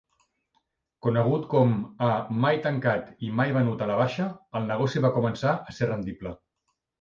Conegut com a "mai tancat i mai venut a la baixa", el negoci va començar a ser rendible.